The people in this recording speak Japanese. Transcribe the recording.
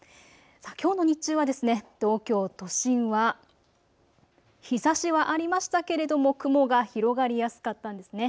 きょうの日中は東京都心は日ざしはありましたけれども雲が広がりやすかったんですね。